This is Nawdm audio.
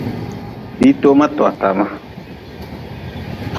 Ditoma toa tama.